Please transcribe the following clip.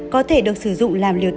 có thể được sử dụng làm liều thứ ba